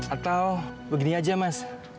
atau begini aja mas